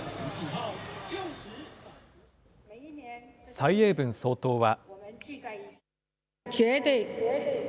蔡英文総統は。